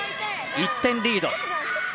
１点リード。